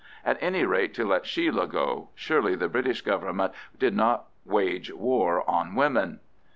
At any rate to let Sheila go—surely the British Government did not wage war on women.